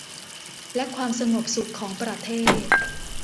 และความสงบสุขของประเทศ